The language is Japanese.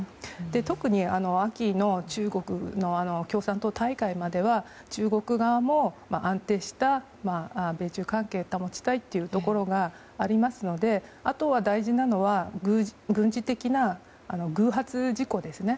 特に秋の中国の共産党大会までは中国側も安定した米中関係を保ちたいというところがありますのであとは大事なのは軍事的な偶発事故ですね。